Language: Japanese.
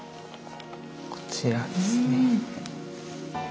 こちらですね。